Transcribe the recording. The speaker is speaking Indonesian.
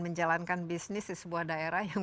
menjalankan bisnis di sebuah daerah yang